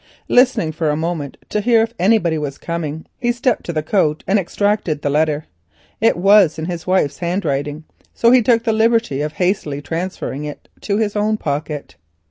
Listening for a moment to hear if anybody was coming, he stepped to the coat and extracted the letter. It was in his wife's handwriting, so he took the liberty of hastily transferring it to his own pocket.